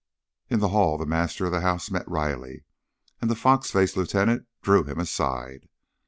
In the hall the master of the house met Riley, and the fox faced lieutenant drew him aside.